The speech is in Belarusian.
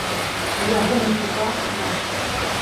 У ягоных руках нож.